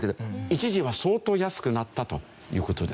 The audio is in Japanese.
一時は相当安くなったという事ですね。